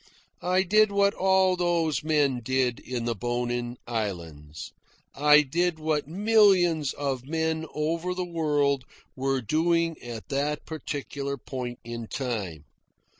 I did what all those men did in the Bonin Islands. I did what millions of men over the world were doing at that particular point in time.